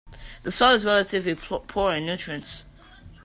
The soil is relatively poor in nutrients.